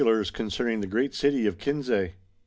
ARS conxernino the Great City oe Kinsav.'